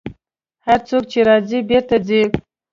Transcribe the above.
هر څوک چې راځي، بېرته ځي.